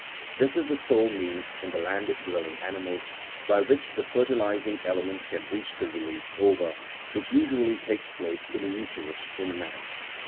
This is the sole means, in the land dwelling animals, by which the fertilizing element can reach the released ova (which usually takes place in the uterus in man).